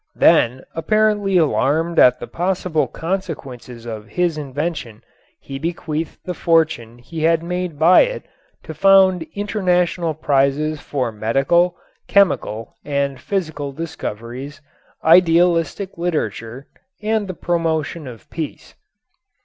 Then, apparently alarmed at the possible consequences of his invention, he bequeathed the fortune he had made by it to found international prizes for medical, chemical and physical discoveries, idealistic literature and the promotion of peace.